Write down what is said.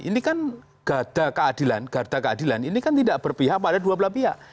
ini kan gada keadilan gada keadilan ini kan tidak berpihak pada dua belah pihak